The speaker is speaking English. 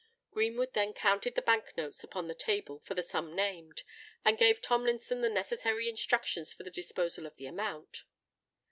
Greenwood then counted the Bank notes upon the table for the sum named, and gave Tomlinson the necessary instructions for the disposal of the amount.